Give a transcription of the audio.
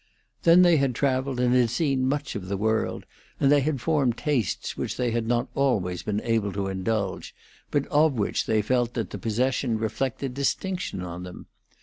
Then they had travelled and seen much of the world, and they had formed tastes which they had not always been able to indulge, but of which they felt that the possession reflected distinction on them.